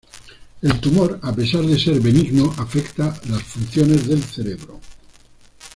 El tumor, a pesar de ser benigno, afecta a las funciones del cerebro.